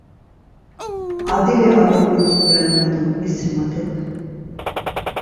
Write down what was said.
Adili ar oǩotzku ren ma do visimadep.